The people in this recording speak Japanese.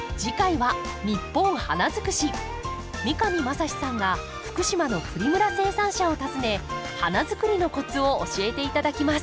三上真史さんが福島のプリムラ生産者を訪ね花づくりのコツを教えて頂きます。